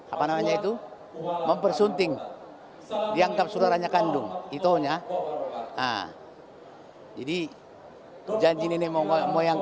apa namanya itu mempersunting yang tak sudah hanya kandung itunya jadi janjinin emang moyang